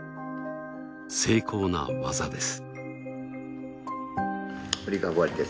精巧な技です。